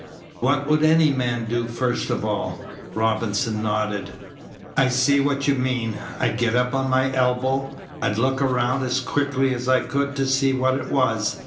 What would any man do first of all?" Robinson nodded. "I see what you mean. I'd get up on my elbow. I'd look around as quickly as I could to see what it was.